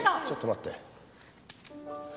ちょっと待って。